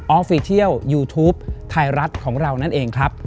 ฟิเทียลยูทูปไทยรัฐของเรานั่นเองครับ